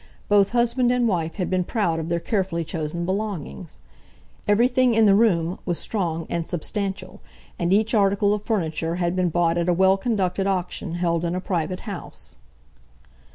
—both husband and wife had been proud of their carefully chosen belongings. Everything in the room was strong and substantial, and each article of furniture had been bought at a well conducted auction held in a private house.